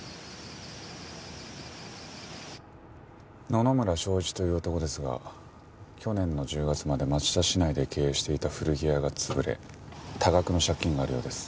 野々村翔一という男ですが去年の１０月まで町田市内で経営していた古着屋が潰れ多額の借金があるようです。